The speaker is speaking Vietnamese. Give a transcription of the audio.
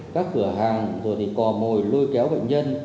các cửa hàng rồi thì cò mồi lôi kéo bệnh nhân